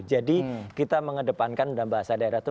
jadi kita mengedepankan dalam bahasa daerah